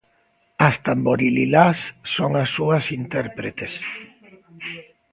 As Tamborililás son as súas intérpretes.